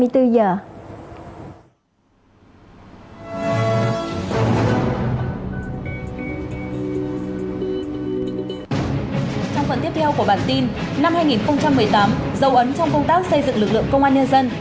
trong phần tiếp theo của bản tin năm hai nghìn một mươi tám dấu ấn trong công tác xây dựng lực lượng công an nhân dân